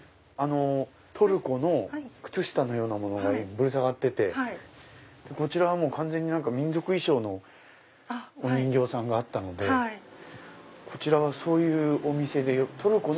トルコの靴下のようなものがぶら下がっててこちらは完全に民族衣装のお人形さんがあったのでこちらはそういうお店でトルコの？